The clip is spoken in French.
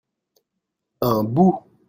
un bout.